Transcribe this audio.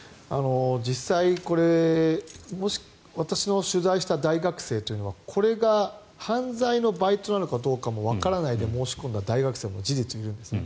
実際私の取材した大学生というのはこれが犯罪のバイトなのかもわからないで申し込んだ大学生も事実、いるんですね。